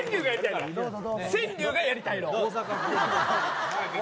川柳がやりたいのよ！